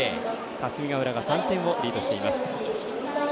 霞ヶ浦が３点をリードしています。